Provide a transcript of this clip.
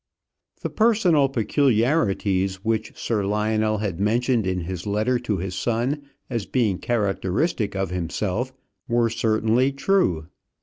The personal peculiarities which Sir Lionel had mentioned in his letter to his son as being characteristic of himself were certainly true.